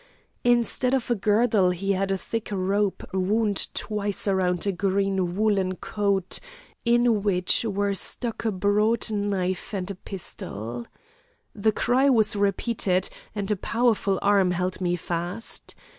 Instead of a girdle he had a thick rope wound twice round a green woollen coat, in which were stuck a broad knife and a pistol. The cry was repeated, and a powerful arm held me fast.